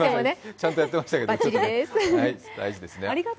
ちゃんとやってましたけど大事ですね。